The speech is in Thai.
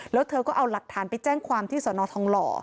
แล้วเธอก็เอาหลักฐานไปแจ้งความที่สนทองหล่อ